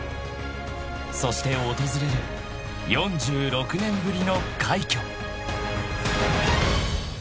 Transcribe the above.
［そして訪れる４６年ぶりの快挙］